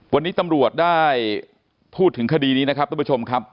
วันนี้ตำรวจได้พูดถึงคดีนี้นะครับทุกผู้ชมครับ